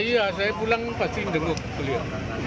iya iya saya pulang pasti menjenguk beliau